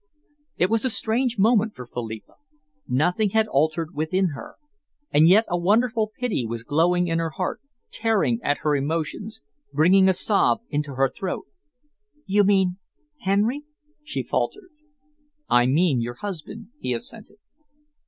It was a strange moment for Philippa. Nothing had altered within her, and yet a wonderful pity was glowing in her heart, tearing at her emotions, bringing a sob into her throat. "You mean Henry?" she faltered. "I mean your husband," he assented.